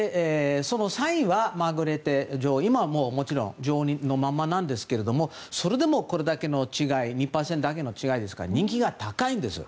３位はマルグレーテ女王今ももちろん女王のままなんですがそれでもこれだけの違い２％だけの違いですから人気が高いんです。